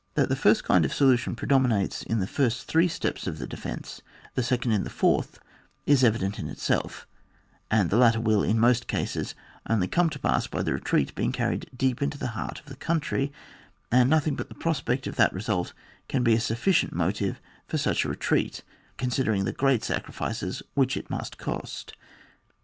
That the first kind of solution predo minates in the first three steps of the defence, the second in the fourth, is evi dent in itself ; and the latter will, in most cases, only come to pass by the retreat being carried deep into the heart of the country, and notlung but the prospect of that result can be a sufficient motive for such a retreat, considering the great sacrifices which it must cost.